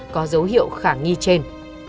có dấu hiệu khả nghi trên